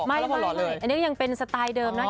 หมดเลยอันนี้ยังเป็นสไตล์เดิมนะ